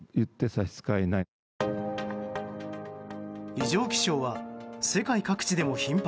異常気象は世界各地でも頻発。